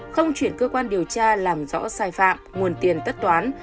không chuyển cơ quan điều tra làm rõ sai phạm nguồn tiền tất toán